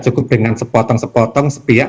cukup dengan sepotong sepotong sepiak